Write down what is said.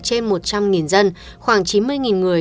trên một trăm linh dân khoảng chín mươi người